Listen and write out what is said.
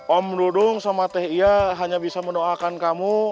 om dudung sama teh iya hanya bisa mendoakan kamu